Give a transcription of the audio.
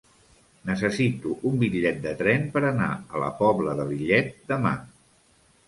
Necessito un bitllet de tren per anar a la Pobla de Lillet demà.